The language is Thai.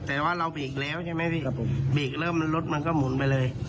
แต่ว่าเราบีกแล้วใช่ไหมบีกแล้วรถมันก็หมุนไปเลย